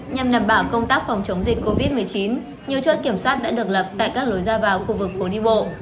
nhằm đảm bảo công tác phòng chống dịch covid một mươi chín nhiều chốt kiểm soát đã được lập tại các lối ra vào khu vực phố đi bộ